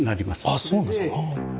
あっそうなんですか。